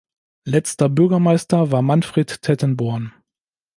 Letzter Bürgermeister war Manfred Tettenborn.